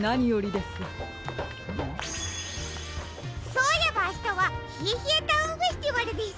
そういえばあしたはひえひえタウンフェスティバルですよ！